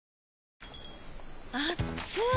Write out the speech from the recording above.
あっつい！